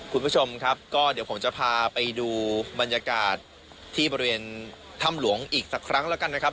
คุณผู้ชมครับก็เดี๋ยวผมจะพาไปดูบรรยากาศที่บริเวณถ้ำหลวงอีกสักครั้งแล้วกันนะครับ